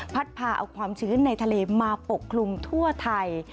พาเอาความชื้นในทะเลมาปกคลุมทั่วไทย